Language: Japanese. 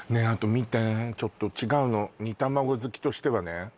あと見てちょっと違うの煮卵好きとしてはね